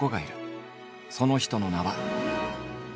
その人の名は。